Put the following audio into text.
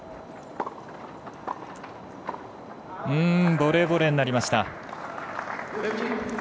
ボレー、ボレーになりました。